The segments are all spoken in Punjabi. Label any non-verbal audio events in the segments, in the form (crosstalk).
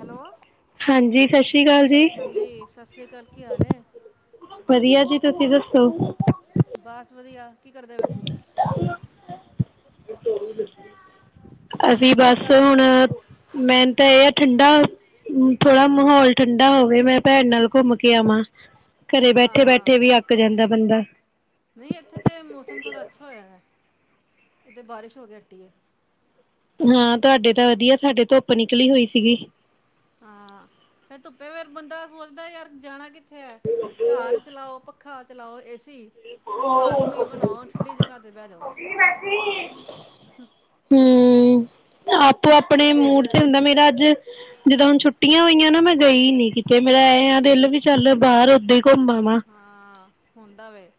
ਹੈਲੋ ਹਾਂਜੀ ਸਤ ਸ੍ਰੀ ਕਾਲ ਜੀ ਹਾਂਜੀ ਸਤਿ ਸ਼੍ਰੀ ਅਕਾਲ ਕੀ ਹਾਲ ਹੈ ਵਧੀਆ, ਜੀ ਤੁਸੀਂ ਦੱਸੋ? ਬਸ ਵਧੀਆ ਕੀ ਕਰਦੇ ਪਏ ਅਸੀਂ ਹੋਰ ਕੀ ਬਸ ਕਰ ਰਹੇ ਹੁਣ ਸੀ ਮੇਨ ਤਾਂ ਇਹ ਹੈ ਠੰਡਾ ਥੋੜਾ ਮਾਹੌਲ ਠੰਡਾ ਹੋਵੇ ਮੈਂ ਭੈਣ ਨਾਲ ਘੁੰਮ ਕੇ ਆਵਾਂ, ਘਰੇ ਬੈਠੇ ਹਾਂ ਬੈਠੇ ਵੀ ਅੱਕ ਜਾਂਦਾ ਬੰਦਾ ਨਹੀਂ ਇੱਥੇ ਤੇ ਮੌਸਮ ਥੋੜਾ ਅੱਛਾ ਹੋਇਆ। ਇਥੇ ਬਾਰਿਸ਼ ਹੋ ਕੇ ਹਟੀ ਏ। ਹਾਂ ਤੁਹਾਡੇ ਤਾਂ ਵਧੀਆ ਧਾਡੇ ਧੁੱਪ ਨਿਕਲੀ ਹੋਈ ਸੀਗੀ। ਹਾਂ ਫੇਰ ਧੁੱਪੇ ਫੇਿਰ ਬੰਦਾ ਸੋਚਦਾ ਯਾਰ ਜਾਣਾ ਕਿੱਥੇ ਏ ਘਰ ਚਲਾਓ ਪੱਖਾ ਚਲਾਓ ਏਸੀ। ਘਰ ਨੂੰ ਹੀ ਬਨਾਓ ਠੰਡੀ ਜਗ੍ਹਾ ਤੇ ਬਹਿ ਜਾਓ। ਹ (inaudible) ਹੂੰ ਆਪੋ ਆਪਣੇ ਮੂਡ ਤੇ ਹੁੰਦਾ ਮੇਰਾ ਅੱਜ ਜਦੋ ਹੁਣ ਛੁੱਟੀਆਂ ਹੋਈਆਂ ਨਾ ਮੈਂ ਗਈ ਨੀ ਕਿਤੇ ਮੇਰਾ ਐ ਆ ਦਿਲ ਵੀ ਚੱਲ ਬਾਹਰ ਓਦ ਹਾਂ ਹੁੰਦਾ ਵੇਂ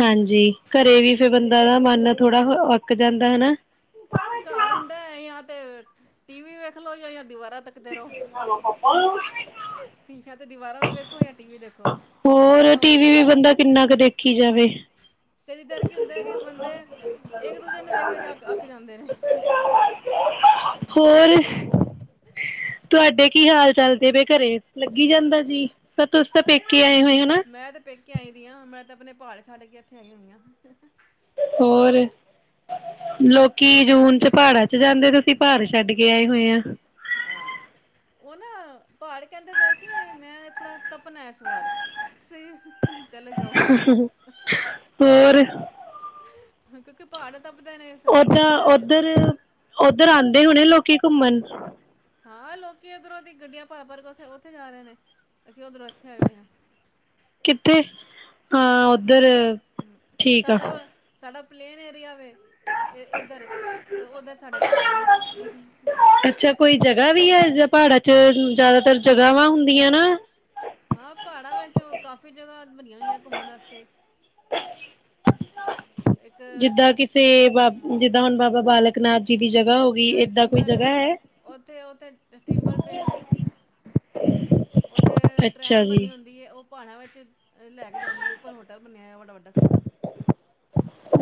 ਹਾਂਜੀ ਘਰੇ ਵੀ ਫਿਰਰ ਬੰਦਾ ਦਾ ਮਨ ਥੋੜਾ ਅੱਕ ਜਾਂਦਾ ਹਨਾ ਘਰ ਹੁੰਦਾ ਜਾਂ ਤੇ ਟੀ ਵੀ ਵੇਖ ਲਓ ਜਾਂ ਜਾਂ ਦੀਵਾਰ ਤਬਕਦੇ ਰਹੋ ਉਹਲ (unintelligible) ਜਾਂ ਤੇ ਦੀਵਾਰਾਂ ਨੂੰ ਵੇਖੋ ਜਾਂ ਟੀਵ ਦੇਖੋ ਹੋਰ ਇਹ ਹੁੰਦਾ ਟੀਵੀ ਵੀ ਹੈ ਬੰਦਾ ਕਿੰਨਾ ਕੁ ਦੇਖੀ ਜਾਵੇ ਕਦੀ (inaudible) ਤਰ ਕੀ ਹੁੰਦਾ ਹੈ ਕਿ ਬੰਦੇ ਇੱਕ ਦੂਜੇ ਨੂੰ ਵੇਖ ਵੇਖ ਕੇ ਅੱਕ ਅੱਕ ਜਾਂਦੇ ਨੇ। ਹੋਰ- ਤੁਹਾਡੇ ਕੀ ਹਾਲ ਚਲਦੇ ਘਰੇ ਲੱਗੀ ਜਾਂਦਾ ਜੀ ਤਾਂ ਤਾਂ ਪੇਕੇ ਆਏ ਹੋਏ ਹਨਾ ਮੈਂ ਤੇ ਪੇਕੇ ਆਈ ਦੀ ਹ ਮੈਂ ਤਾਂ ਆਪਣੇ ਪਹਾੜੇ ਛਾੜੇ ਕੇ ਇੱਥੇ ਆਈ ਹੋਈਆਂ ਹੋਰ ਲੋਕੀ ਜੂਨ ਚ ਪਹਾੜਾਂ ਚ ਜਾਂਦੇ ਤੁਸੀਂ ਪਹਾੜ ਛੱਡ ਕੇ ਆਏ ਹੋਏ ਆ ਹਾਂ ਉਹ ਨਾ ਪਹਾੜ ਕਹਿੰਦੇ ਵੈਸੇ ਮੈਂ ਥੋੜਾ ਤਪਣਾ ਇਸ ਵਾਰ ਤੁਸੀਂ- ਚਲੇ ਜਾਓ ਹੋਰ- ਕਿਉਕਿ ਪਹਾੜ ਤਪਦੇ ਨੇ ਸਰਦ ਓਦ ਗਰਮੀਆਂ ਚ। ਉਓਧਰ ਉਓਧਰ ਆਉਂਦੇ ਹੋਣੇ ਲੋਕੀ ਘੁੰਮਣ ਹਾਂ ਲੋਕੀ ਉਓਧਰੋਂ ਦੀ ਗੱਡੀਆਂ ਭਰ ਭਰ ਕੇ ਉਥੇ ਉੱਥੇ ਜਾ ਰਹੇ ਨੇ ਅਸੀਂ ਉਓਧਰੋਂ ਇੱਥੇ ਆਏ ਹੋ ਹਾਂ ਕਿੱਥੇ ਹਾਂ ਉੱਧਰ ਹੂੰ ਠੀਕ ਆ ਸਾਡਾ ਸਾਡਾ ਪਲੇਨ ਏਰੀਆ ਵ ਇਹ ਇਧਰ ਤੇ ਉਧਰ ਸਾਡੇ ਪਹਾੜ ਨੇ ਅੱਛਾ ਕੋਈ ਜਗ੍ਹਾ ਵੀ ਹੈ ਪਹਾੜਾਂ ਚ ਜ਼ਿਆਦਾਤਰ ਜਗ੍ਹਾਵਾਂ ਹੁੰਦੀਆਂ ਨਾ ਹਾਂ ਪਹਾੜਾਂ ਵਿੱਚ ਕਾਫ਼ੀ ਜਗ੍ਹਾ ਬਨਿਆ ਹੋਈਆਂ ਘੁੰਮਣ ਵਾਸਤੇ (inaudible) ਇੱਕ ਜਿੱਦਾਂ ਕਿਸੇ ਬਾਬ ਜਿੱਦਾਂ ਹੁਣ ਬਾਬਾ ਬਾਲਕ (inaudible) ਹੋ ਗਈ ਜਵੇ ਏਦਾਂ ਕੋਈ ਟਿੰਬਲ ਜਗ੍ਹਾ ਹੈ? ਓਥੇ ਉਓਥੇ ਟਿੰਬਲ ਟ੍ਰੇਲ ਏ ਉੱਥੇ ਅੱਛਾ ਟ੍ਰੈਮ ਜੀ। ਬਨੀ ਹੁੰਦੀ ਹੈ ਉਹ ਪਹਾੜਿਆਂ ਵਿੱਚ ਲੈ ਕੇ ਜਾਂਦੀ ਉੱਪਰ ਹੋਟਲ ਬਣਿਆ ਹੋਇ ਬੜਾ ਵੱਡਾ ਸਾਰਾ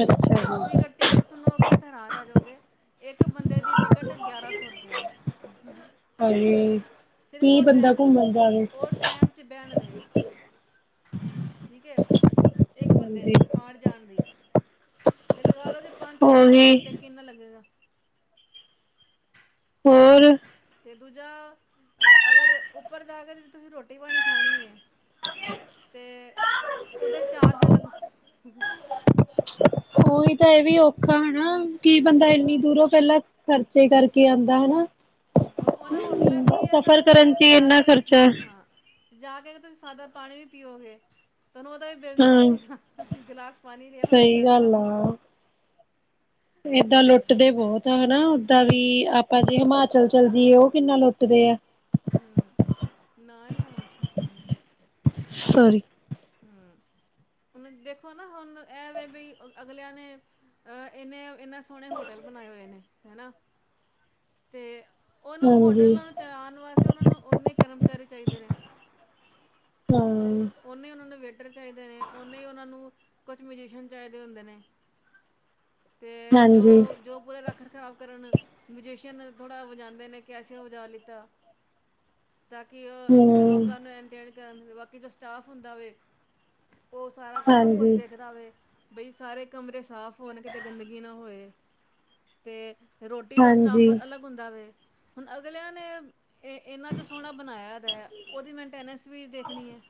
ਅੱਛਾ ਜੇ ਤੁਸੀਂ ਜੀ, ਟਿਕਟ ਸੁਣੋਗੇ ਤਾਂ ਹੈਰਾਨ ਰਹਜਾਊਗੇ ਇੱਕ ਬੰਦੇ ਦੀ ਟਿਕਟ ਗਿਆਰਾਂ ਸੌ ਰੁਪਇਆ ਹਾਂਜੀ ਸਿਰਫ ਕੀ ਉਹ ਬੰਦਾ ਟ੍ਰੈਮ ਘੁੰਮਣ ਜਾਵੇ। ਉਹ ਟ੍ਰੈਮ ਚ ਬਹਿਣ ਦੇ ਠੀਕ ਹੈ ਇੱਕ ਬੰਦੇ ਹਾਂਜੀ। ਦੀ ਆਉਣ ਜਾਣ ਦੀ ਤੇ ਲਗਾ ਲੋ ਜੇ ਪੰਜ ਛੇ ਬੰਦੇ ਹੋਣ ਤੇ ਉਹੀ ਕਿੰਨਾ ਲੱਗੇਗਾ। ਹੋਰ ਤੇ ਦੂਜਾ ਅਗਰ ਉੱਪਰ ਜਾ ਕੇ ਤੁਸੀਂ ਰੋਟੀ ਪਾਣੀ ਖਣੀ ਏ। ਤੇ ਉਹਦੇ ਚਾਰਜ ਅਲੱਗ। ਉਹੀ ਤਾਂ ਇਹ ਵੀ ਔਖਾ ਹੈ ਨਾਂ। ਕੀ ਬੰਦਾ ਇੰਨੀ ਹਾਂ ਦੂਰੋਂ ਪਹਿਲਾਂ ਖਰਚੇ ਕਰਕੇ ਆਉਂਦਾ ਹੈ ਨਾਂ। ਹੁਣ ਉਹਨਾਂ ਹੋਟਲਾਂ ਚ ਕੀ ਹੈ ਤਾਂ ਉੱਥੇ ਚ ਜਾ ਇੰਨਾ ਕੇ ਖਰਚਾ ਹਾਂ ਜਾ ਕੇ ਤੁਸੀਂ ਸਾਦਾ ਪਾਣੀ ਵੀ ਪੀਓਗੇ। ਤੁਹਨੂੰ ਉਹਦਾ ਵੀ ਬਿੱਲ ਦੇਣਾ ਹਾਂ। ਪਏਗਾ ਗਿਲਾਸ ਪਾਣੀ ਲਿਆ ਉਹਦਾ ਵੀ ਸਹੀ ਬਿੱਲ ਦੇਣਾ ਗੱਲ ਪਏਗਾ। ਆ। ਏਦਾਂ ਲੁੱਟਦੇ ਬਹੁਤ ਆ ਹੈ ਨਾਂ ਓਦਾਂ ਵੀ। ਆਪਾਂ ਜੇ ਹਾਂ ਹਿਮਾਚਲ ਚੱਲ ਜਾਈਏ ਉਹ। ਕਿੰਨਾ ਲੁੱਟਦੇ ਆ ਹਮ ਨਾ ਹੀ ਲੈਣਾ ਸੋਰੀ। ਹਮ ਹੁਣ ਦੇਖੋ ਨਾ ਹੁਣ ਇਹ ਵ ਬਈ ਅਗਲਿਆਂ ਨੇ ਅਹ ਇੰਨੇ ਇੰਨੇ ਸੋਹਣੇ ਹੋਟਲ ਬਣਾਏ ਹੋਏ ਨੇ। ਹੈਨਾ ਤੇ ਉਹਨੂੰ ਹਾਂਜੀ। ਹੋਟਲਾਂ ਨੂੰ ਚਲਾਉਣ ਵਾਸਤੇ ਉਹਨਾਂ ਨੂੰ ਓਨੇ ਕਰਮ ਕਰਮਚਾਰੀ ਚਾਹੀਦੇ ਨੇ। ਹਾਂ, ਉਹਨੇ ਉਹਨਾਂ ਨੂੰ ਵੇਖ। ਚਾਹੀਦੇ ਨੇ ਓੇ ਉਹਨਾ ਨੂੰ ਕੁਛ ਮਿਊਜੀਸ਼ੀਅਨ ਚਾਹੀਦੇ ਹੁੰਦੇ ਨੇ। ਹਾਂਜੀ ਖ਼ਰਾਬ ਕਰਨ ਮਜੀਸ਼ਅਨ ਥੋੜਾ ਵਜਾਉਂਦੇ ਨੇ ਕੈਸਿਓ ਵਜਾ ਲਿੱਤਾ ਤਾਂ ਕਿ ਉਹ ਹੂੰ, ਲੋਕਾਂ ਨੂੰ ਕਰਨ। ਬਾਕੀ ਜੋ ਸਟਾਫ ਹੁੰਦਾ ਵੇ। ਉਹ ਸਾਰਾ ਸਭ ਕੁਛ ਹਾਂਜੀ। ਦੇਖਦਾ ਹੋਵੇ। ਬਈ ਸਾਰੇ ਕਮਰੇ ਸਾਫ਼ ਹੋਣ ਕਿਤੇ ਗੰਦਗੀ ਨਾ ਹੋਏ ਅਤੇ ਰੋਟੀ ਦਾ ਸਟਾਫ ਹਾਂਜੀ, ਅਲੱਗ ਹੁੰਦਾ ਵੇ। ਹੁਣ ਅਗਲਿਆਂ ਨੇ ਇਨਾ ਜੋ ਸੋਹਣਾ ਬਣਾਇਆ ਉਹਦੀ ਮੇਨਟੇਨੈਂਸ ਵੀ ਦੇਖਣੀ ਹੈ।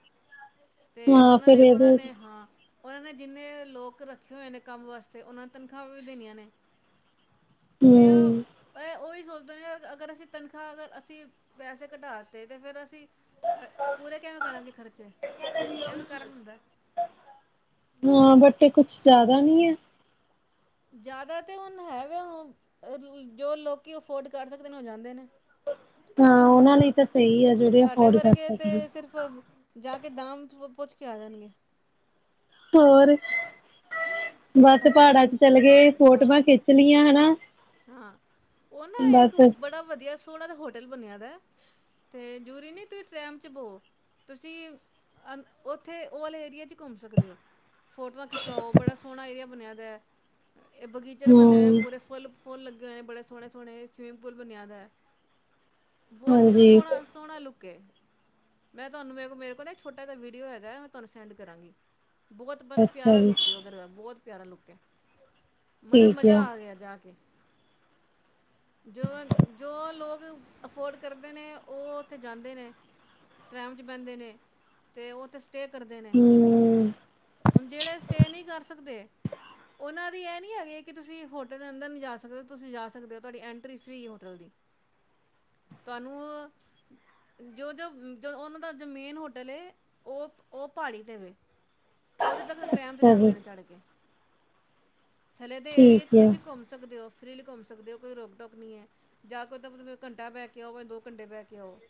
ਤੇ ਹਾਂ ਜਿਨਾਂ ਫਿਰ ਨੇ ਉਹਨਾਂ ਇਹਦੇ ਨੇ ਹਾਂ। ਉਹਨਾਂ ਨੇ ਜਿੰਨੇ ਲੋਕ ਰੱਖੇ ਹੋਏ ਨੇ ਕੰਮ ਵਾਸਤੇ ਉਹਨਾਂ ਨੂੰ ਤਨਖਾਹਾਂ ਵੀ ਦੇਣੀਆਂ ਨੇ। ਤੇ ਹੂੰ, ਉਹੀ ਸੋਚ ਦੁ ਅਗਰ ਅਸੀਂ ਤਨਖਾਹ ਅਗਰ ਅਸੀਂ ਪੈਸੇ ਕਟਾਤੇ ਤੇ ਫੇਿਰ ਅਸੀਂ ਪੂਰੇ ਕਿਵੇਂ ਕਰਾਂਗੇ ਖਰਚ ਹਾਂ ਬ ਤੇ ਕੁਛ ਜ਼ਿਆਦਾ ਨੀ ਹੈ ਜ਼ਿਆਦਾ ਤੇ ਹੁਣ ਹੈ ਹੁ ਜੋ ਲੋਕੀ ਅਫੋਰਡ ਕਰ ਸਕਦੇ ਨੇ ਉਹ ਜਾਂਦੇ ਨੇ ਹ ਉਹਨਾਂ ਲਈ ਤਾਂ ਸਹੀ ਆ ਜਿਹੜੇ ਸਾਡੇ ਅਫੋਰਡ ਕਰ ਵਰਗੇ ਸਕਦੇ। ਤੇ ਸਿਰਫ਼ ਜਾ ਕੇ ਦਾਮ ਪੁੱਜ ਕੇ ਆ ਜਾਣਗੇ ਹੋਰ ਬਸ ਅਸੀਂ ਕਿ ਪਹਾੜਾਂ ਚ ਚਲੇ ਗਏ ਹਾਂ ਫੋਟੋਆਂ ਖਿੱਚ ਲਈਆਂ ਹਨਾ ਹਾਂ ਹਾਂ ਉਹ ਨਾ ਇੱਕ ਬੜਾ ਵਧੀਆ ਸੋਨਾਂ ਦਾ ਹੋਟਲ ਬਣਿਆ ਦਾ ਅਤੇ ਜੂਰੀ ਨਹੀਂ ਤੁਸੀਂ ਟ੍ਰੈਮ 'ਚ ਬੋੋ ਤੁਸੀਂ ਅ ਉੱਥੇ ਉਹ ਵਾਲੇ ਏਰੀਏ 'ਚ ਘੁੰਮ ਸਕਦੇ ਹੋ ਫੋਟੋਆਂ ਖਿਚਵਾਓ ਬੜਾ ਸੋਹਣਾ ਏਆ ਬਣਿਆ ਤੇ ਇਹ ਬਗੀਚੇ ਬੰਦੇ ਹੋਏ ਹੂੰ, ਪੂਰੇ ਫੁੱਲ ਫੋਨ ਲੱਗੇ ਹੋਏ ਨੇ ਬੜੇ ਸੋਹਣੇ ਸੋਹਣੇ ਸ ਸਿੰਵਿਮਿੰਗ ਪੂਲ ਬਣਿਆ ਦਾ ਹੈ ਬਹੁਤ ਮਤਲਬ ਹਾਂਜੀ ਸੋਹਣਾ ਸੋਹਣਾ ਲੁੱਕ ਓਕੇ ਮੈਂ ਤੁਹਾਨੂੰ ਮੇਰੇ ਕੋ ਮੇਰੇ ਕੋਲ ਨਾ ਛੋਟਾ ਜਿਹਾ ਵੀਡੀਓ ਹੈਗਾ ਮੈਂ ਤੁਹਾਨੂੰ ਸੈਂਡ ਕਰਾਂਗੀ ਬਹੁਤ ਮਤਲਬ ਅੱਛਾ ਪਿਆਰਾ ਜੀ। ਲੁਕ ਏ ਉਧਰ ਦਾ ਬਹੁਤ ਪਿਆਰਾ ਲੁੱਕ ਹੈ ਮਤਲਬ ਮਜ਼ਾ ਆ ਗਿਆ ਜਾ ਕੇ ਜੋ ਜੋ ਲੋਕਗ ਅਫੋਰਡ ਕਰਦੇ ਨੇ ਉਹ ਉੱਥੇ ਜਾਂਦੇ ਨੇ ਟਰੈਮ ' ਬਹਿੰਦੇ ਨੇ ਤੇ ਉਹ ਉੱਥੇ (unintelligible) ਕਰਦੇ ਨੇ ਹੂੰ, ਹੁਣ ਜਿਹੜੇ ਸਟੇਅ ਨਹੀਂ ਕਰ ਸਕਦੇ ਉਹਨਾਂ ਦੀ ਇਹ ਨਹੀਂ ਹੈਗੀ ਕਿ ਤੁਸੀਂ ਹੋਟਲ ਦੇ ਅੰਦਰ ਨਹੀਂ ਜਾ ਸਕ ਤੁਸੀਂ ਜਾ ਸਕਦੇ ਹੋ ਤੁਹਾਡੀ ਐਂਟਰੀ ਫੀ ਹੋਟਲ ਦੀ ਤੁਹਾਨੂੰ ਜੋ ਜੋ ਉਹਨਾਂ ਦਾ ਜੋ ਮੇਨ ਹੋਟਲ ਉਹ ਉਹ ਪਹਾੜੀ ਤੇ ਵ ਉਹਦੇ ਤੱਕ ਟ੍ਰੈਨ ਤੇ ਚਲੋ ਜਾਂਦੇ ਨੇ ਚੜ੍ਹ ਕੇ ਥੱਲੇ ਦੇ ਏਰੀਏ ਚ ਠੀਕ ਆ। ਤੁਸੀਂ ਘੁੰਮ ਸਕਦੇ ਹੋ ਫ੍ਰਰੀ ਲਈ ਘੁੰਮ ਸਕਦੇ ਹੋ ਕੋਈ ਰੋਕ ਟੋਕ ਨਹੀਂ ਹੈ ਜਾਂ ਕੋਈ ਤਾਂ ਘੰਟਾ ਬਹਿ ਕੇ ਆਓ ਜਾਂ ਦੋ ਘੰਟੇ ਬਹਿ ਕੇ ਆਓ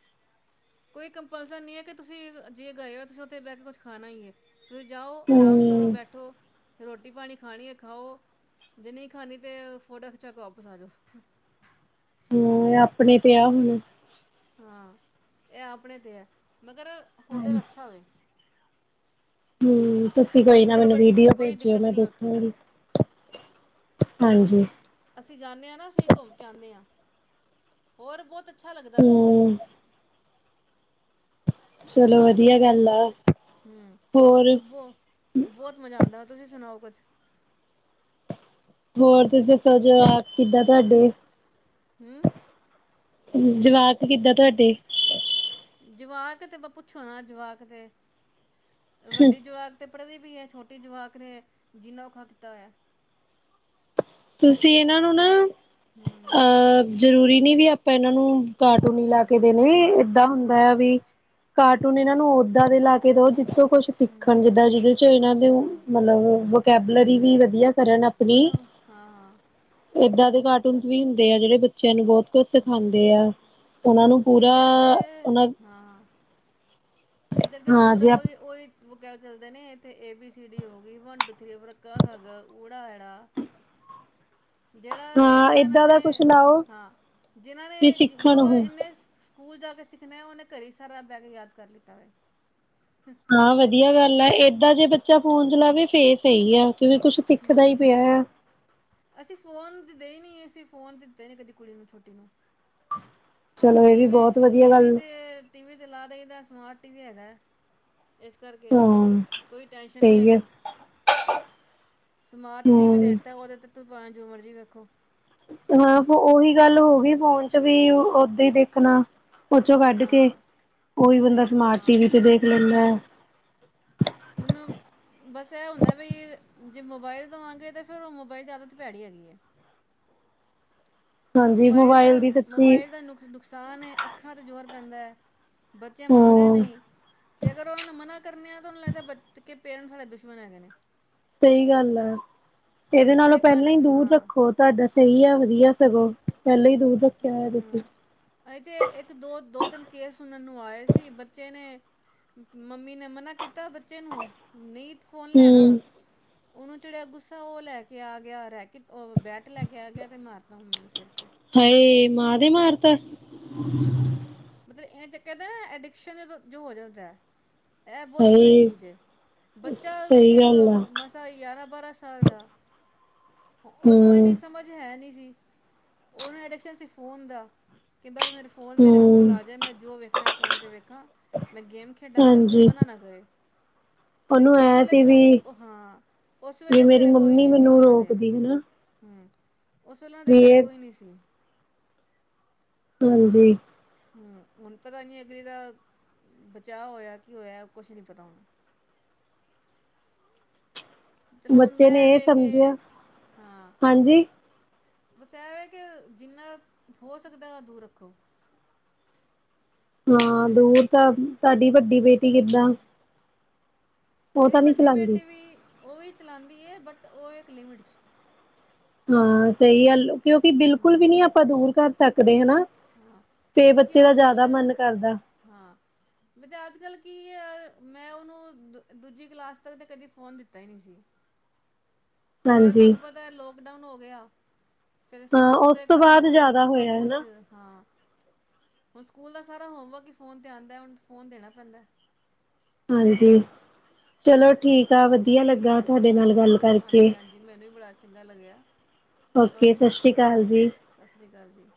ਕੋਈ ਕੰਪਲਸਰ ਨਹੀਂ ਹੈ ਕਿ ਤੁਸੀਂ ਜੇ ਗਏ ਹੋ ਤੁਸੀਂ ਉੱਥੇ ਬਹਿ ਕੇ ਕੁਛ ਖਾਣਾ ਹੀ ਹੈ ਤੁਸੀਂ ਜਾਓ ਆਰਾਮ ਕਰੋ ਹੂੰ, ਬੈਠੋ ਰੋਟੀ ਪਾਣੀ ਖਣੀ ਖਾਓ ਜ ਨਹੀਂ ਖਣੀ ਫਾ ਚੱਕ ਵਾਪਸ ਆ ਜਾੋ ਹਮ ਆਪਣੇ ਤੇ ਆ ਹੁਣ ਹਾਂ ਇਹ ਆਪਣੇ ਤੇ ਹੈ ਮਗਰ ਹੋਟਲ ਅੱਛਾ ਹੋਵੇ ਹਮ ਤੁਸੀਂ ਕੋਈ ਨਾ ਮਤਲਬ ਮੈਨੂੰ ਵੀਡੀਓ ਕੋਈ ਭੇਜਿਓ ਦਿੱਕਤ ਮੈਂ ਨਹੀਂ ਉੱਥੇ ਦੇਖਾਂਗੀ ਹਾਂਜੀ ਅਸੀਂ ਜਾਂਦੇ ਹਾਂ ਨਾ ਅਸੀਂ ਘੁੰਮ ਕੇ ਆਦੇ ਹਾਂ ਹੋਰ ਬਹੁਤ ਅੱਛਾ ਲੱਗਦਾ ਵੈ। ਹੂੰ ਚਲੋ ਵਧੀਆ ਗੱਲ ਆ ਹੂੰ ਹੋਰ ਬਹੁ ਬਹੁਤ ਮਜ਼ਾ ਆਉਂਦਾ। ਤੁਸੀਂ ਸੁਣਾਓ ਕੁਛ। ਹੋਰ ਤੁਸੀਂ ਦੱਸੋ ਜੋ ਕਿੱਦਾਂ ਤੁਹਾਡੇ। ਹੂੰ ਜਵਾਕ ਕਿੱਦਾਂ ਤੁਹਾਡੇ। ਜਵਾਕ ਤੇ ਪੁੱਛੋ ਨਾ ਜਵਾਕ ਤੇ ਵੱਡੀ ਜਵਾਕ ਤੇ ਕੱਪੜੇ ਦੀ ਵੀ ਹੈ ਛੋਟੀ ਜਵਾਕ ਨੇ ਜਿੰਨਾ ਔਖਾ ਕੀਤਾ ਹੋਇਆ। ਤੁਸੀਂ ਇਹਨਾਂ ਨੂੰ ਨਾ ਹਮ ਅਹ। ਜ਼ਰੂਰੀ ਨੀ ਵੀ ਆਪਾਂ ਇਹਨਾਂ ਨੂੰ ਕਾਰਟੂਨ ਹੀ ਲਾ ਹਮ ਕੇ ਦੇਣੇ ਏਦਾਂ ਹੁੰਦਾ ਆ ਹਾਂ ਵੀ ਕਾਰਟੂਟਨ ਇਹਨਾਂ ਨੂੰ ਉਓਦਾਂ ਦੇ ਲਾ ਕੇ ਦੋ ਜਿੱਥੋਂ ਕੁਛ ਹਮ ਸਿੱਖਣ ਜਿੱਦਾਂ ਜਿਹਦੇ ਚ ਇਹਨਾਂ ਦੇ ਹਮ ਮਤਲਬ ਕੈਬਲਰੀ ਵੀ ਵਧੀਆ। ਕਰਨ ਹੁਣ ਆਪਣੀ ਹਾਂ ਹਾਂ। ਏਦਾਂ ਦੇ ਕਾਰਟੂਨ ਵੀ ਹੁੰਦੇ ਆ ਜਿਹੜੇ ਬੱਚਿਆਂ ਨੂੰ ਬਹੁਤ ਕੁਛ ਸਿਖਾਉਂਦੇ ਹਮ ਆ। ਉਹਨਾਂ ਨੂੰ ਪੂਰਾ ਇੱਧਰ ਤੇ ਉਹਨਾਂ ਹਾਂ ਇੱਧਰ ਤੇ ਹਾਂ ਪੂਰਾ ਜੇ ਉਹੀ ਉਹੀ ਕਿਆ ਚੱਲਦੇ ਨੇ ਇੱਥੇ ਏ ਬੀ ਸੀ ਡੀ ਹੋ ਗਈ ਵਨ ਟੂ ਥਰੀ ਫਿਰ ਕਾ ਖਾ ਗਾ ਉ ਐੜਾ। ਜਿਹੜਾ ਹਾਂ ਚੀਜ਼ਾਂ ਇਹਨਾਂ ਏਦਾਂ ਦਾ ਕੁਛ ਨੇ ਲਾਓ ਹਾਂ ਜਿਨਾਂ ਵੀ ਨੇ ਸਿੱਖਣ ਜੋ ਉਹ ਇਨੇ ਸਕੂਲ ਜਾ ਕੇ ਸਿੱਖਣਾ ਉਹਨੇ ਘਰੇ ਸਾਰਾ ਬਹਿ ਕੇ ਯਾਦ ਕਰ ਲਤਾ ਹੋ। ਹਾਂ ਵਧੀਆ ਗੱਲ ਆ ਏਦਾਂ ਜੇ ਬੱਚਾ ਫੋਨ ਚਲਾਵੇ ਫੇਰ ਸਹੀ ਆ। ਕਿਉਕਿ ਕੁਛ ਸਿੱਖਦਾ ਹੀ ਹੂੰ ਪਿਆ ਆ। ਅਸੀਂ ਫੋਨ ਦੇ ਹੀ ਨੀ ਅਸੀਂ ਫੋਨ ਤੇ ਦਿੱਤੇ ਨ ਕਦੀ ਕੁੜੀ ਨੂੰ ਛੋਟੀ ਨੂੰ ਚਲੋ ਇਹ ਵੀ ਟੀਵੀ ਬਹੁਤ ਵਧੀਆ ਗੱਲ ਤੇ ਟੀਵੀ ਤੇ ਲਾ ਦੇਈਦਾ। ਸਮਾਰਟ ਟੀ ਵੀ ਹੈਗਾ। ਇਸ ਕਰਕੇ ਹਾਂ ਕੋਈ ਟੈਂਸ਼ਨ ਨਹੀਂ ਸਹੀ ਹੈ ਹੈਗੀ ਸਮਾਰਟ ਟੀ ਵੀ ਦੇ ਹਮ ਦਿੱਤਾ ਉਹਦੇ ਤੇ ਤੂੰ ਪੰਜ ਜੋ ਮਰਜ਼ੀ ਵੇਖੋ। ਹਾਂ ਓਹ ਉਹੀ ਗੱਲ ਹੋ ਗਈ, ਫੋਨ ਚ ਵੀ ਓਹਦਾਂ ਹੀ ਦੇਖਨਾ। ਉਹ ਚੋ ਕੱਢ ਕੇ, ਹਾਂ ਉਹੀ ਬੰਦਾ ਸਮਾਰਟ ਟੀ ਹਾਂ ਵੀ ਤੇ ਦੇਖ ਲੈਂਦਾ ਏ। ਉਹ ਨਾ ਬ ਬਸ ਇਹ ਹੁੰਦਾ ਵੀ ਜੇ ਮੋਬਾਈਲ ਦੇਵਾਂਗੇ, ਤੇ ਫਿਰ ਉਹ ਮੋਬਾਈਲ ਦੀ ਆਦਤ ਤੇ ਭੈੜੀ ਹੈਗੀ ਹੈ। ਹਾਂਜੀ ਮੋਬਾਇਲ ਦਾ, ਦੀ ਸੱਚੀ ਮੋਬਾਇਲ ਦਾ ਨੁਕ ਨੁਕਸਾਨ ਏ, ਅੱਖਾਂ ਤੇ ਜੋਰ ਪੈਂਦਾ ਏ ਬੱਚੇ ਮੰਨਦੇ ਹਮ ਨਹੀਂ, ਜੇਕਰ ਉਹਨਾਂ ਨੂੰ ਮਨਾ ਕਰਨੇ ਆਂ ਤੇ ਉਹਨਾ ਨੂੰ ਲਗਦਾ ਏ ਬਚ ਕਿ ਪੇਰੇਂਟ ਸਾਡੇ ਦੁਸ਼ਮਣ ਹੈਗੇ ਨੇਂ। ਸਹੀ ਗੱਲ ਏ, ਇਹਦੇ ਕਈ ਨਾਲੋਂ ਇੱਕ ਪਹਿਲਾਂ ਵਾਰ ਹੀ ਦੂਰ ਹਾਂ ਰੱਖੋ ਤੁਹਾਡਾ ਸਹੀ ਹੈ, ਵਧੀਆ। ਸਗੋਂ ਪਹਿਲਾਂ ਹੀ ਦੂਰ ਅ ਰੱਖਿਆ ਹੋਇਆ ਤੁਸੀਂ ਹਮ ਐਂ ਤੇ ਇੱਕ ਦੋ-ਦੋ ਤਿੰਨ ਕੇਸ ਸੁਨਨ ਨੂੰ ਆਏ ਸੀ, ਬੱਚੇ ਨੇ ਅ ਹੰ ਮੰਮੀ ਨੇ ਮਨਾ ਕੀਤਾ ਬੱਚੇ ਨੂੰ, ਨਹੀਂ ਫੋਨ ਹਮ ਲੈਣਾ। ਉਹਨੂੰ ਚੜਿਆ ਗੁੱਸਾ, ਉਹ ਲਏ ਕੇ ਆ ਗਿਆ ਰੈਕੇਟ, ਓਹ ਬੈਟ ਲਏ ਕੇ ਆ ਗਿਆ ਤੇ ਮਾਰਤਾ ਮੰਮੀ ਦੇ ਸਿਰ ਤੇ। ਹਾਏ, ਮਾਂ ਦੇ ਮਾਰਤਾ। ਤੇ ਇੰਜ ਕਹਿੰਦੇ ਨਾ ਐਡਿਕਸ਼ਨ ਇਹਦਾ ਜੋ ਹੋ ਜਾਂਦਾ ਏ। ਇਹ ਬਹੁਤ ਬੁਰੀ ਹਾਏ ਚੀਜ਼ ਏ, ਬੱਚਾ ਅਸੀ ਸਹੀ ਗੱਲ ਆ ਮਸਾ ਹੀ ਬਾਰਾਹਾਂ ਸਾਲ ਦਾ। ਉਹਨੂੰ ਹਮ ਇਹਨੀ ਸਮਝ ਹੈ ਨੀ। ਸੀ ਉਹਨੂੰ ਐਡਿਕਸ਼ਨ ਸੀ ਫੋਨ ਦਾ ਕਿ ਬਸ ਮੇਰਾ ਫੋਨ ਮੇਰੇ ਕੋਲ ਹਮ ਆ ਜਾਏ ਮੈਂ ਜੋ ਵੇਖਨਾ ਏ ਫੋਨ ਤੇ ਵੇਖਾਂ, ਮੈਂ ਗੇਮ ਖੇਡਾਂ ਮੈਨੂੰ ਕੋਈ ਹਾਂਜੀ ਮਨਾ ਨਾ ਕਰੇ। ਤੇ ਉਹਨੂੰ ਉਸ ਐ ਵੇਹਲੇ ਸੀ ਕ ਵੀ ਉਹ ਹਾਂ ਉਸ ਵੀ ਵੇਲੇ ਮੇਰੀ ਘਰੇ ਕੋਈ ਮੰਮੀ ਨੀ ਸੀ ਮੈਨੂੰ ਉਹਨਾਂ ਦੇ ਰੋਕਦੀ ਹਨਾ ਹੂੰ। ਉਸ ਵੇਹਲੇ ਉਹਨਾਂ ਦੇ ਵੀ ਘਰੇ ਇਹ ਕੋਈ ਨੀ ਸੀ। ਹਾਂਜੀ ਹੂੰ ਹੁਨ ਪਤਾ ਨੀ ਅਗਲੀ ਦਾ ਬਚਾਅ ਹੋਇਆ ਕੀ ਹੋਇਆ ਏ ਕੁਛ ਨੀ ਪਤਾ ਹੁਣ ਚਲੋ ਹੁਣ ਬੱਚੇ ਨੇ ਮੈਂ ਇਹ ਵੇ ਕੇ ਸਮਝਿਆ ਹਾਂ ਹਾਂਜੀ। ਬਸ ਇਹ ਵੇ ਕਿ ਜਿੰਨਾ ਹੋ ਸਕਦਾ ਏ ਦੂਰ ਰੱਖੋ। ਹਾਂ ਦੂਰ ਤਾ ਤੁਹਾਡੀ ਵੱਡੀ ਬੇਟੀ ਕਿੱਹਦਾਂ। ਮੇਰੀ ਵੱਡੀ ਬੇਟੀ ਵੀ ਉਹ ਵੀ ਚਲਾਨ ਦੀ ਏ, ਬਟ ਉਹ ਇੱਕ ਲਿਮਿਟ 'ਚ। ਹਾਂ ਸਹੀ ਗੱਲ ਏ। ਕਿਉਂਕਿ ਬਿਲਕੁਲ ਵੀ ਹਮ ਨੀ ਆਪਾਂ ਦੂਰ ਕਰ ਸ ਸਕਦੇ ਹਨਾ। ਹਾਂ ਤੇ ਕਿਉਂਕਿ ਬੱਚੇ ਦਾ ਅਜਕਲ ਜ਼ਿਆਦਾ ਮਨ ਕਰਦਾ ਹਾਂ ਮੈਂ ਕਿਹਾ ਅੱਜ ਕੱਲ ਕੀ ਐ, ਮੈਂ ਉਹਨੂੰ ਦੂਜੀ ਕਲਾਸ ਤੱਕ ਤੇ ਕਦੀ ਫੋਨ ਦਿੱਤਾ ਹੀ ਨਹੀਂ ਸੀਗਾ। ਫੇਰ ਹਾਂਜੀ ਤੁਹਾਨੂੰ ਪਤਾ ਲੋਕਡਾਊਨ ਹੋ ਗਿਆ। ਫੇਰ ਹਾਂ ਸਕੂਲ ਉਸ ਦੇ ਤੋਂ ਬਾਅਦ ਕੰਮ ਜ਼ਿਆਦਾ ਸਭ ਹੋਇਆ ਹਨਾ ਕੁਛ ਹੁਣ ਸਕੂਲ ਦਾ ਸਾਰਾ ਹੋਮਵਰਕ ਹੀ ਫੋਨ ਤੇ ਆਉਂਦਾ ਹੁਣ ਫੋਨ ਦੇਣਾ ਪੈਂਦਾ ਹਾਂਜੀ ਚਲੋ ਠੀਕ ਆ ਵਧੀਆ ਲੱਗਾ ਤੁਹਾਡੇ ਨਾਲ ਗੱਲ ਕਰਕੇ ਹਾਂਜੀ ਹਾਂਜੀ ਮੈਨੂੰ ਵੀ ਬੜਾ ਚੰਗਾ ਲੱਗਿਆ। ਚਲੋ ਓਕੇ ਜੀ ਸਤਿ ਸ਼੍ਰੀ ਅਕਾਲ ਓਕੇ, ਜੀ ਸਤਿ ਸ੍ਰੀ ਅਕਾਲ ਜੀ।